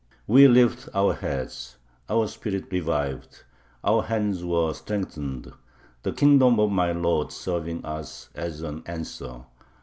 We lifted our heads, our spirit revived, and our hands were strengthened, the kingdom of my lord serving us as an answer.